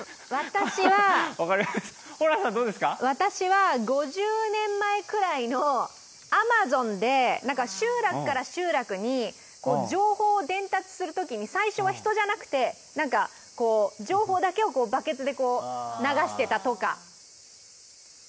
私は５０年くらい前のアマゾンで、集落から集落に情報を伝達するときに最初は人じゃなくて、情報だけをバケツで流していたとか。